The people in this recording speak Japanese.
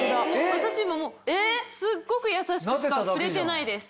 私今すっごくやさしくしか触れてないです。